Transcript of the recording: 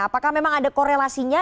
apakah memang ada korelasinya